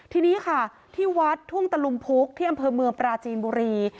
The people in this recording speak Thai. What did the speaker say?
ทีนี้ค่ะที่วัดทุ่งตะลุมพุกที่อำเภอเมืองปราจีนบุรี